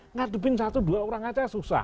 ngadepin satu dua orang saja susah